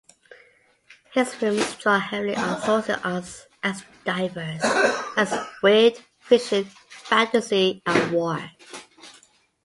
His films draw heavily on sources as diverse as weird fiction, fantasy, and war.